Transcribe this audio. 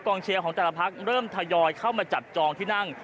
เชียร์ของแต่ละพักเริ่มทยอยเข้ามาจับจองที่นั่ง